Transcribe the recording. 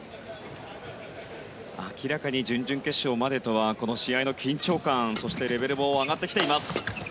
明らかに準々決勝までとはこの試合の緊張感そしてレベルも上がってきています。